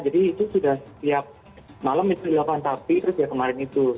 jadi itu sudah tiap malam itu dilakukan tapi kemarin itu